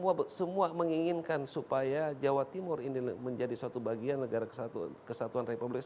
jadi semua menginginkan supaya jawa timur ini menjadi suatu bagian negara kesatuan republik